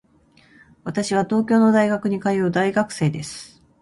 私は東京の大学に通う大学生です。